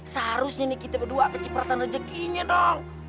seharusnya nih kita berdua kecipratan rejekinya dong